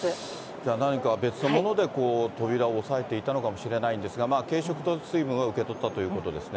じゃあ、何か別のもので、扉を押さえていたのかもしれないんですが、軽食と水分は受け取ったということですね。